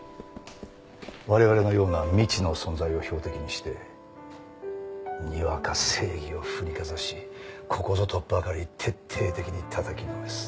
我々のような未知の存在を標的にしてにわか正義を振りかざしここぞとばかり徹底的にたたきのめす。